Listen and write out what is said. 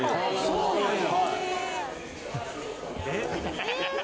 そうなんや！